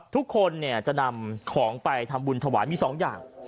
ทุกคนจะนำของไปทำบุญถวายมี๒อย่าง